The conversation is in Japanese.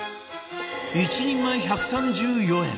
１人前１３４円